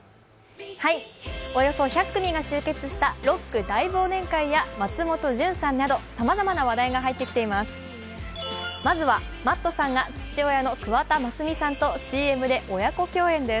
およそ１００組が集結したロック大忘年会や松本潤さんなどさまざまな話題が入ってきています。